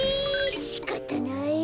しかたない。